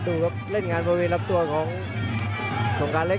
ดูเล่นงานบริเวณรับตัวของกาเล็ก